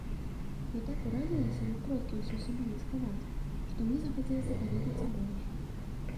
Я так уразілася, як продкі ўсё сумелі схаваць, што мне захацелася даведацца больш.